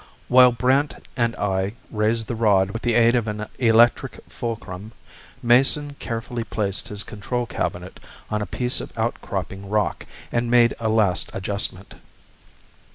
While Brandt and I raised the rod with the aid of an electric fulcrum, Mason carefully placed his control cabinet on a piece of outcropping rock and made a last adjustment.